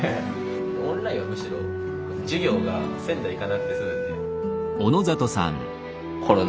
オンラインはむしろ授業が仙台行かなくて済むんで。